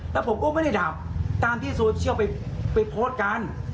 แล้วผมก็ไม่ได้ดับตามที่โซเชียลไปโพสต์กัน